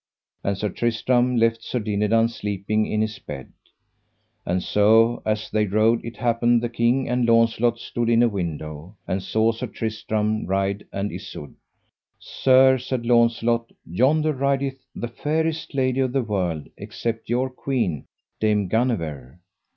And Sir Tristram left Sir Dinadan sleeping in his bed. And so as they rode it happed the king and Launcelot stood in a window, and saw Sir Tristram ride and Isoud. Sir, said Launcelot, yonder rideth the fairest lady of the world except your queen, Dame Guenever.